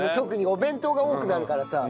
お弁当が多くなるからさ。